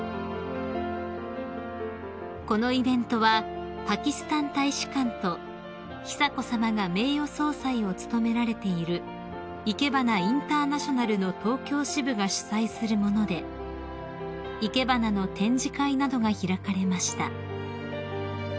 ［このイベントはパキスタン大使館と久子さまが名誉総裁を務められているいけばなインターナショナルの東京支部が主催するもので生け花の展示会などが開かれました］